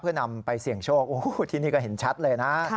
เพื่อนำไปเสี่ยงโชคที่นี่ก็เห็นชัดเลยนะ